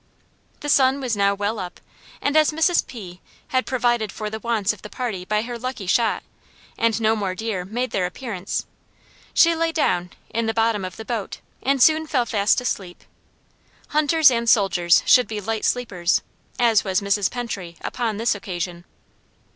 The sun was now well up, and as Mrs. P. had provided for the wants of the party by her lucky shot, and no more deer made their appearance, she lay down in the bottom of the boat, and soon fell fast asleep. Hunters and soldiers should be light sleepers, as was Mrs. Pentry upon this occasion.